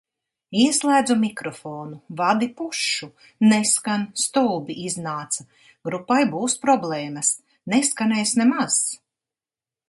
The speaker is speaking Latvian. Ieslēdzu mikrofonu, vadi pušu, neskan, stulbi iznāca. Grupai būs problēmas. Neskanēs nemaz.